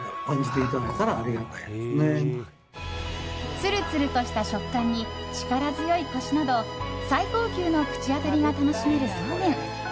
つるつるとした食感に力強いコシなど最高級の口当たりが楽しめるそうめん。